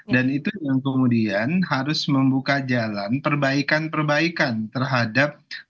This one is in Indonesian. dan itu yang kemudian harus membuka jalan perbaikan perbaikan terhadap